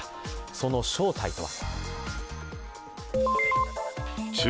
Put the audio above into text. その正体とは？